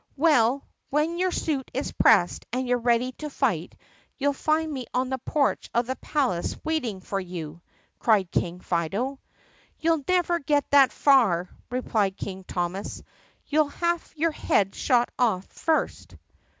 "Well, when your suit is pressed and you 're ready to fight you'll find me on the porch of the palace waiting for you!" cried King Fido. "You'll never get that far!" replied King Thomas. "You 'll have your head shot off first."